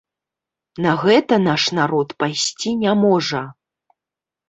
На гэта наш народ пайсці не можа.